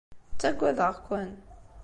Ttagadeɣ-ken.